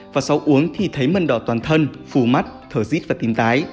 và sau uống thì thấy mân đỏ toàn thân phù mắt thở rít và tím tái